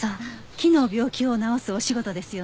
木の病気を治すお仕事ですよね。